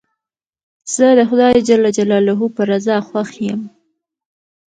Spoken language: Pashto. زه د خدای جل جلاله په رضا خوښ یم.